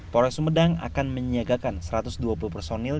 polres sumedang akan menyiagakan satu ratus dua puluh personil